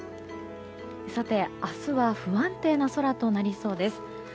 明日は不安定な空となりそうです。